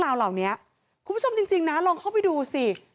เหล่านี้คุณผู้ชมจริงนะลองเข้าไปดูสิ